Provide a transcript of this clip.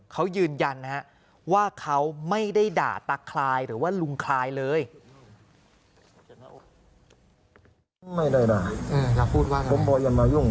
เขายืนยันนะฮะว่าเขาไม่ได้ด่าตาคลายหรือว่าลุงคลายเลย